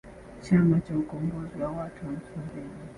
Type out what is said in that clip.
Chama cha ukombozi wa watu wa Msumbiji